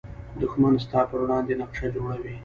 دښمن ستا پر وړاندې نقشه جوړوي